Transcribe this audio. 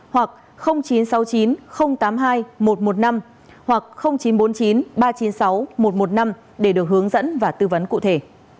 hoặc chín trăm sáu mươi chín tám mươi hai một trăm một mươi năm hoặc chín trăm bốn mươi chín ba trăm chín mươi sáu một trăm một mươi năm để được hướng dẫn và tư vấn cụ thể